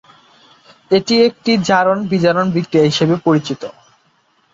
এটি একটি জারণ-বিজারণ বিক্রিয়া হিসেবে পরিচিত।